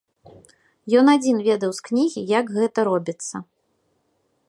Ён адзін ведаў з кнігі, як гэта робіцца.